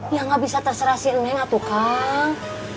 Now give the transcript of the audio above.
ya gak bisa terserah si neng ah tukang